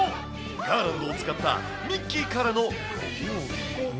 ガーランドを使ったミッキーからのご褒美が。